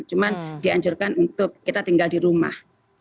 cuma dianjurkan untuk kita tinggal di rumah